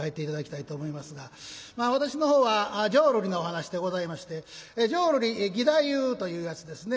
私の方は浄瑠璃のお噺でございまして浄瑠璃義太夫というやつですね。